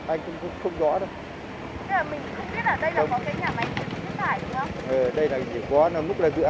anh không biết sự tồn tại của cái nhà máy xử lý nước thải này ở đây không ạ